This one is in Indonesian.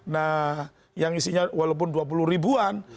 nah yang isinya walaupun dua puluh ribuan